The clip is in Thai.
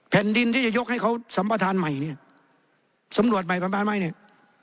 แผ่นดินที่จะยกให้เขาสัมประธานใหม่เนี่ยสำรวจใหม่ประมาณใหม่เนี่ย